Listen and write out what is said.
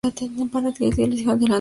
Para Esquilo, hijas de Nix, la Noche.